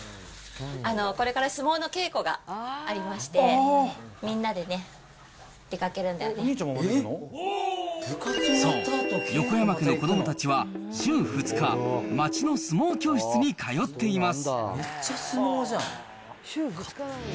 これから相撲の稽古がありまして、みんなでね、そう、横山家の子どもたちは週２日、町の相撲教室に通っています。